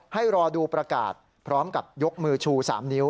ให้รอดูประกาศพร้อมกับยกมือชู๓นิ้ว